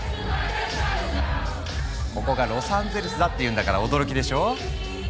ここがロサンゼルスだっていうんだから驚きでしょ？